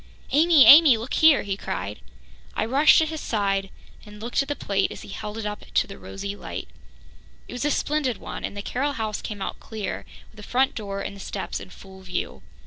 "Amy, Amy, look here!" he cried. I rushed to his side and looked at the plate as he held it up in the rosy light. It was a splendid one, and the Carroll house came out clear, with the front door and the steps in full view.